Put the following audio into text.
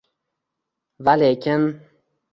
Va lekin